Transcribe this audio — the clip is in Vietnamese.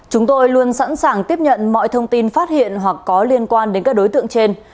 chúng tôi luôn sẵn sàng tiếp nhận mọi thông tin phát hiện hoặc có liên quan đến các đối tượng trên